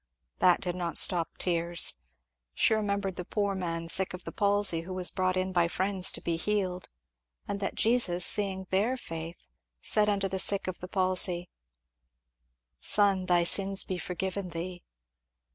That did not stop tears. She remembered the poor man sick of the palsy who was brought in by friends to be healed, and that "Jesus seeing their faith, said unto the sick of the palsy, 'Son, thy sins be forgiven thee.'"